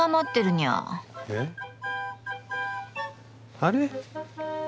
あれ？